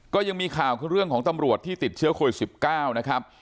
ก็ยังมีข่าวคือเรื่องของตำรวจที่ติดเชื้อโควิด๑๙นะครับ